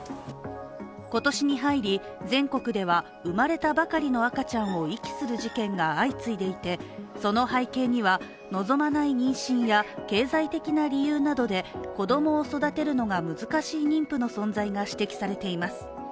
今年に入り、全国では生まれたばかりの赤ちゃんを遺棄する事件が相次いでいてその背景には望まない妊娠や経済的な理由などで子供を育てるのが難しい妊婦の存在が指摘されています。